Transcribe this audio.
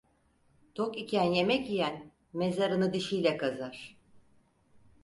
Tok iken yemek yiyen, mezarını dişiyle kazar.